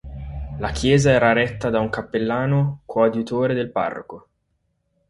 La chiesa era retta da un cappellano coadiutore del parroco.